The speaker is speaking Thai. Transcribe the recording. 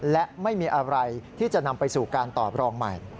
และไม่มีอะไรที่จะนำไปสู่การตอบรองใหม่